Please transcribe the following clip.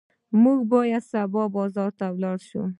موږ به سبا بازار ته لاړ شو.